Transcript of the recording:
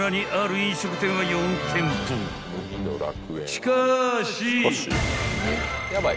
［しかし！］